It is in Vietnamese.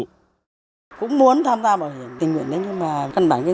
cũng muốn tham gia bảo hiểm tình nguyện